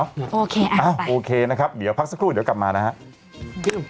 โอเคอะไปอ่ะโอเคนะครับเดี๋ยวพักสักครู่เดี๋ยวกลับมานะฮะ